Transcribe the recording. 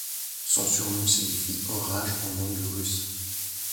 Son surnom signifie orage en langue russe.